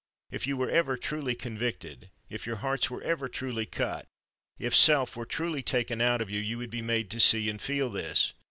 If you were ever truly convicted, if your hearts were ever truly cut, if self were truly taken out of you, you would be made to see and feel this.